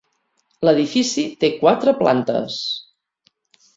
L'edifici té quatre plantes.